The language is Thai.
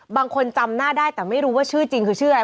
จำหน้าได้แต่ไม่รู้ว่าชื่อจริงคือชื่ออะไร